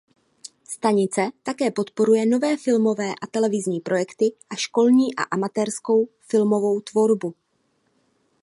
Stanice také podporuje nové filmové a televizní projekty a školní a amatérskou filmovou tvorbu.